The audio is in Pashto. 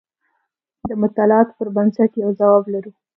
د مطالعاتو پر بنسټ یو ځواب لرو.